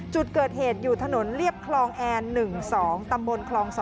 จุดเกิดเหตุอยู่ถนนเรียบคลองแอน๑๒ตำบลคลอง๒